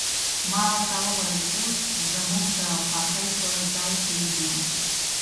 ما ورته وویل، اوس زموږ د خوښۍ په ځای کې یو.